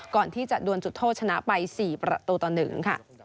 ก่อนที่จะดวนจุดโทษชนะไป๔ประตูต่อ๑ค่ะ